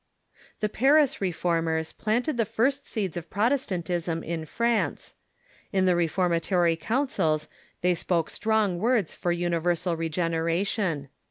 The Paris Reformers planted the first seeds of Protestant ism in France. In the reformatory councils they spoke strong words for universal regeneration.